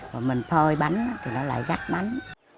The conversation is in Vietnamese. rồi mình phơi bánh thì nó lại gắt bánh